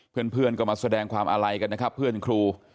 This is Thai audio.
เพื่อนก็มาแสดงความอาลัยกันนะครับเพื่อนครู